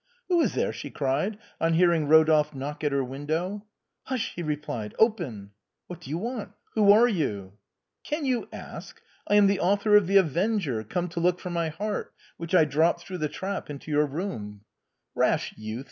"Who is there?" she cried, on hearing Eodolphe knock at her window. " Hush !" he replied ;" open !"" What do you want ? Who are you ?"" Can you ask ? I am the author of ' The Avenger/ come ALI RODOLPHE ; OR, THE TURK TERFORCE. 63 to look for my heart, which I dropped through the trap into your room." " Rash youth